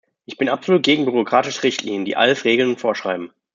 Ich bin absolut gegen bürokratische Richtlinien, die alles regeln und vorschreiben.